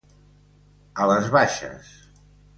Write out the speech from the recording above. A les baixes.